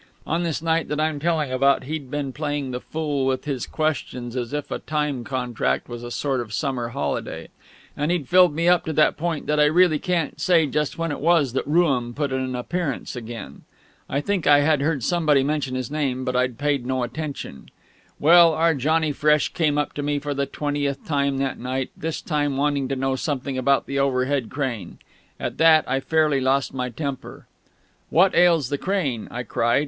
On this night that I'm telling about, he'd been playing the fool with his questions as if a time contract was a sort of summer holiday; and he'd filled me up to that point that I really can't say just when it was that Rooum put in an appearance again. I think I had heard somebody mention his name, but I'd paid no attention. Well, our Johnnie Fresh came up to me for the twentieth time that night, this time wanting to know something about the overhead crane. At that I fairly lost my temper. "What ails the crane?" I cried.